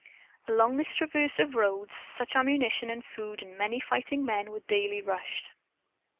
Along this transverse of roads much ammunition and food and many fighting men were daily rushed.